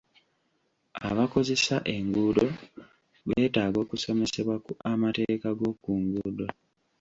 Abakozesa enguudo beetaaga okusomesebwa ku amateeka g'oku nguudo.